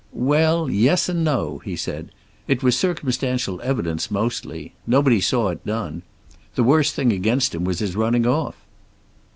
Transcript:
"Well, yes and no," he said. "It was circumstantial evidence, mostly. Nobody saw it done. The worst thing against him was his running off."